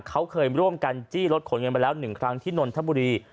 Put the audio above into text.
เขาเคยร่วมกันจี้รถขนเงินไปแล้ว๑ครั้งที่นนทบุรี